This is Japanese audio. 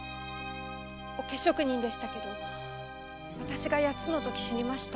桶職人でしたけどあたしが八つのとき死にました。